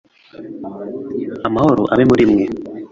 Amahoro abe muri mwe